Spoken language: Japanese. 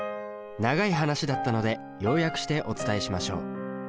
長い話だったので要約してお伝えしましょう。